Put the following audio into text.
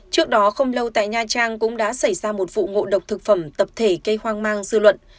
trước đó không lâu tại nha trang cũng đã xảy ra một vụ ngộ độc thực phẩm tập thể gây hoang mang dư luận